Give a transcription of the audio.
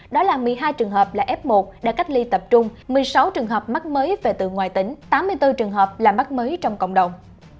đó là một mươi hai trường hợp là f một đã cách ly tập trung một mươi sáu trường hợp mắc mới về từ ngoài tỉnh tám mươi bốn trường hợp làm mắc mới trong cộng đồng